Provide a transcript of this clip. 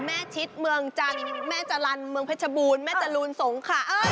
แม่ชิดเมืองจานแม่จารัญเมืองพฤชบูรณ์แม่จรูลสงฆ์ค่ะ